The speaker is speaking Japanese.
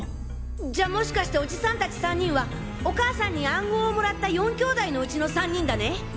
じゃあもしかしてオジさん達３人はお母さんに暗号をもらった４兄弟のうちの３人だね？